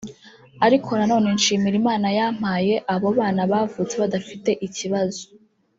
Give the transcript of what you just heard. ariko nanone nshimira Imana yampaye abo bana bavutse badafite ikibazo